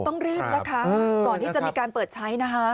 ต้องรีบนะคะก่อนที่จะมีการเปิดใช้นะคะ